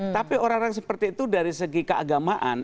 tapi orang orang seperti itu dari segi keagamaan